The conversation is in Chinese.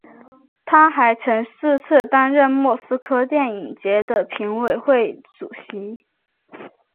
他还曾四次担任莫斯科电影节的评委会主席。